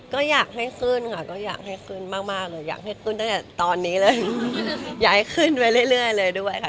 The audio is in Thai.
ก็อยากให้ขึ้นค่ะก็อยากให้ขึ้นมากมากเลยอยากให้ขึ้นตั้งแต่ตอนนี้เลยย้ายขึ้นไปเรื่อยเลยด้วยค่ะ